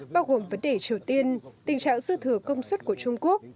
bao gồm vấn đề triều tiên tình trạng dư thừa công suất của trung quốc